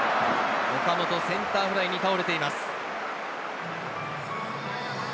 岡本、センターフライに倒れています。